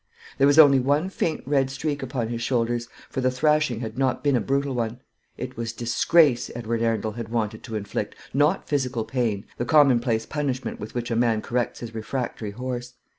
There was only one faint red streak upon his shoulders, for the thrashing had not been a brutal one. It was disgrace Edward Arundel had wanted to inflict, not physical pain, the commonplace punishment with which a man corrects his refractory horse.